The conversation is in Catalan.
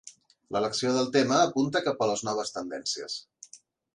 L'elecció del tema apunta cap a les noves tendències.